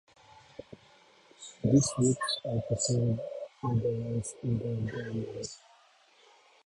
These roots are preserved with the rice in the granary.